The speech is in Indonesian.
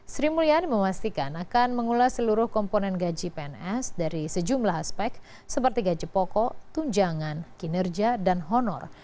sri mulyani memastikan akan mengulas seluruh komponen gaji pns dari sejumlah aspek seperti gaji pokok tunjangan kinerja dan honor